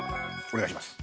お願いします。